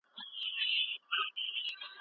موږ به په ګډه یوه علمي مقاله ولیکو.